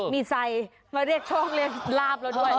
มีไซมาเรียกช่องเรียกราบเราด้วย